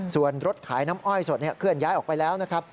ส่วนรถขายน้ำอ้อยสดเคลื่อนย้ายออกไปแล้วนะครับ